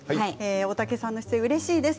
大竹さんの出演うれしいです。